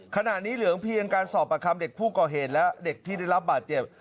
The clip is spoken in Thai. ขณะนี้เหลือเพียงการสอบประคำเด็กผู้ก่อเหตุและเด็กที่ได้รับบาดเจ็บ